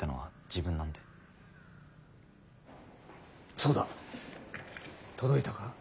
そうだ届いたか？